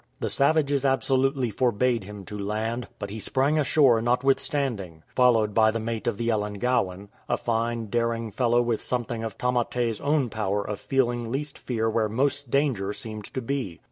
The savages absolutely forbade him to land, but he sprang ashore notwithstanding, followed by the mate of the Ellengowan, a fine, daring fellow with something of Tamate's own power of feeling least fear where most danger seemed to be.